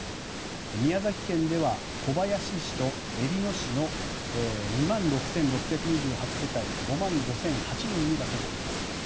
宮崎県では小林市とえびの市の２万６６２８世帯５万５００８人に出されています。